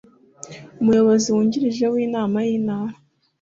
Amuyobozi wungirije w inama y intara